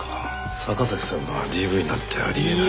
坂崎さんがＤＶなんてあり得ない。